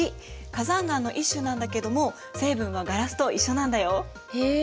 火山岩の一種なんだけども成分はガラスと一緒なんだよ。へえ。